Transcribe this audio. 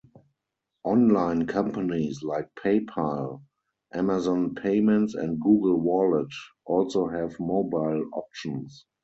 Online companies like PayPal, Amazon Payments, and Google Wallet also have mobile options.